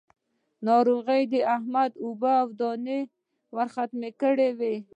ناروغي د احمد اوبه او دانه يې ورختم کړل.